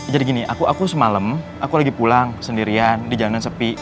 jadi gini aku semalem aku lagi pulang sendirian di jalanan sepi